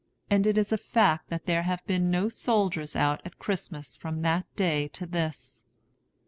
And it is a fact that there have been no soldiers out at Christmas from that day to this.